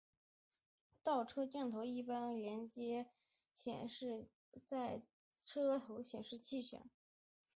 倒车镜头一般会连结并显示在车头显示器上。